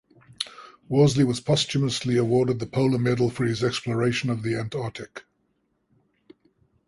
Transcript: Worsley was posthumously awarded the Polar Medal for his exploration of the Antarctic.